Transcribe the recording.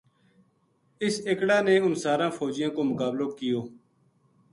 اس اِکڑا نے اُنھ ساراں فوجیاں کو مقابلو کیو